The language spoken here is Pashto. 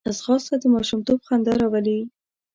ځغاسته د ماشومتوب خندا راولي